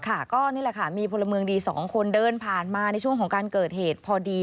ค่ะก็นี่แหละค่ะมีพลเมืองดีสองคนเดินผ่านมาในช่วงของการเกิดเหตุพอดี